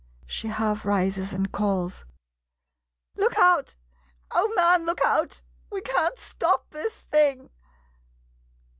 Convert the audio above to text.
[She half rises and calls.] Look out — oh, man — look out — we can't stop this thing!